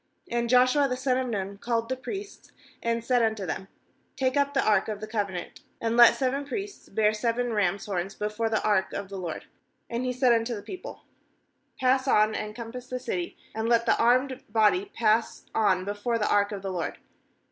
3 6And Joshua the son of Nun called the priests, and said unto them: 'Take up the ark of the covenant, and let seven priests bear seven rains' horns before the ark of the I LORD.' 7And he said unto the people: 'Pass on, and compass the city, and let the armed body pass on before the ark of the LORD.'